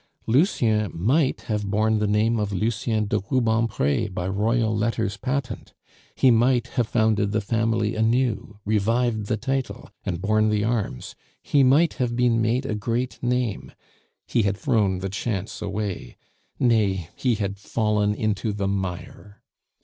Lucien might have borne the name of Lucien de Rubempre by royal letters patent; he might have founded the family anew, revived the title, and borne the arms; he might have made a great name he had thrown the chance away; nay, he had fallen into the mire!